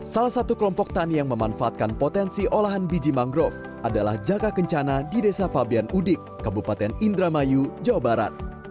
salah satu kelompok tani yang memanfaatkan potensi olahan biji mangrove adalah jaga kencana di desa pabian udik kabupaten indramayu jawa barat